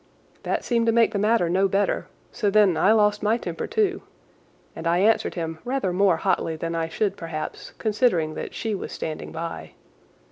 That seemed to make the matter no better, so then I lost my temper too, and I answered him rather more hotly than I should perhaps, considering that she was standing by.